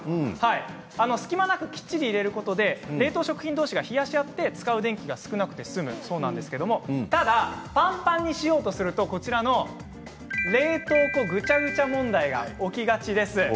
隙間なくきっちり入れることで冷凍食品同士が冷やし合うため使う電気が少なくていいんですけれどもただ、ぱんぱんにしようとすると冷凍庫ぐちゃぐちゃ問題が起きがちです。